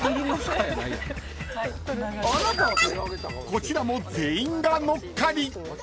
［こちらも全員が乗っかり］